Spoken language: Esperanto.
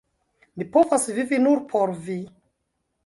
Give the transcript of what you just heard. Mi povas vivi nur por vi!